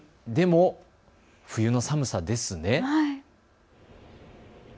でも冬の寒さですね。